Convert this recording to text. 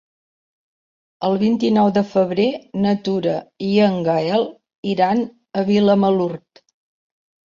El vint-i-nou de febrer na Tura i en Gaël iran a Vilamalur.